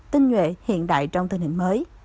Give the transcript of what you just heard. tinh nhuệ hiện đại trong tình hình mới